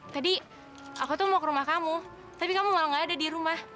tadi aku tuh mau ke rumah kamu tapi kamu kalau nggak ada di rumah